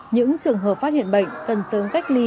những trường hợp phát hiện bệnh cần sớm cách ly